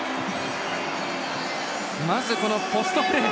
まずポストプレー。